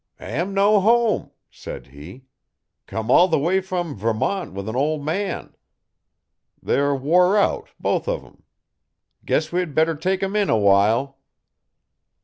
'Am' no home,' said he. 'Come all the way from Vermont with an ol' man. They're worn out both uv 'em. Guess we'd better take 'em in awhile.'